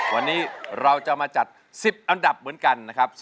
วันนี้เราจะมาจัด๑๐อันดับเหมือนกันนะครับ